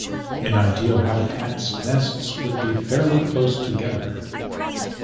In ideal habitats, nests would be fairly close together.